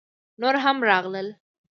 _نور هم راغلل!